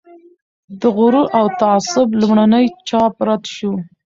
د "غرور او تعصب" لومړنی چاپ رد شو.